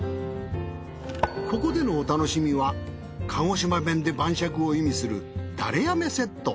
ここでのお楽しみは鹿児島弁で晩酌を意味するだれやめセット。